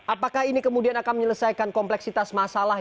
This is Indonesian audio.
apakah ini kemudian akan menyelesaikan kompleksitas masalah